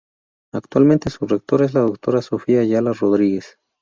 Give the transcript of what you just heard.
Actualmente su rectora es la Doctora Sofía Ayala Rodríguez.